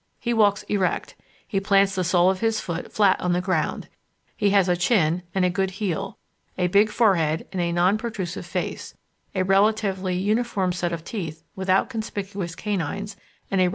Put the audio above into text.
He walks erect, he plants the sole of his foot flat on the ground, he has a chin and a good heel, a big forehead and a non protrusive face, a relatively uniform set of teeth without conspicuous canines, and a relatively naked body.